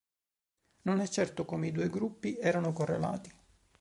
Non è certo come i due gruppi erano correlati.